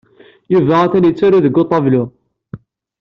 Yuba atan yettaru deg uṭablu.